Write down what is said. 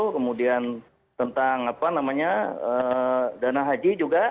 kemudian tentang apa namanya dana haji juga